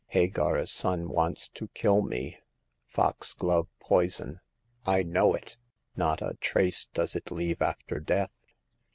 " Hagar's son wants to kill me. Fox glove poison— I know it ! Not a trace does it leave after death.